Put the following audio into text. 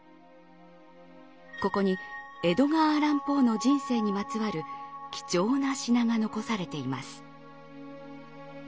ここにエドガー・アラン・ポーの人生にまつわる貴重な品が残されています。